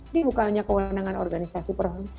ini bukannya kewenangan organisasi profesi